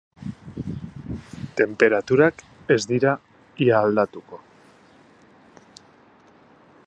Tenperaturak ez dira ia aldatuko.